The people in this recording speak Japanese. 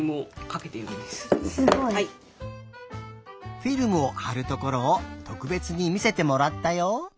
フィルムをはるところをとくべつにみせてもらったよ。